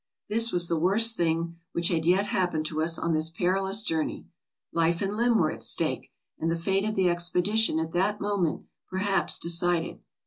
"This was the worst thing which had yet happened to us on this perilous journey. Life and limb were at stake, and the fate of the expedition was at that moment, perhaps, decided.